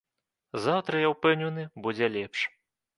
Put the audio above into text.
Заўтра, я ўпэўнены, будзе лепш.